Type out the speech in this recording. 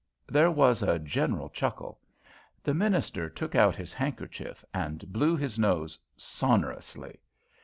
There was a general chuckle. The minister took out his handkerchief and blew his nose sonorously.